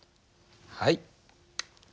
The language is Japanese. はい。